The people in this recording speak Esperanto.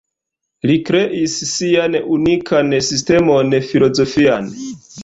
Li kreis sian unikan sistemon filozofian.